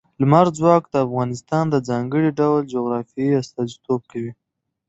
لمریز ځواک د افغانستان د ځانګړي ډول جغرافیه استازیتوب کوي.